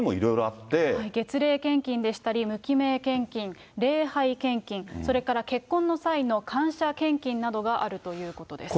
月例献金でしたり、無記名献金、礼拝献金、それから結婚の際の感謝献金などがあるということです。